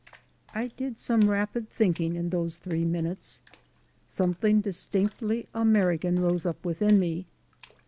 I did some rapid thinking in those three minutes. Something distinctly American rose up within me.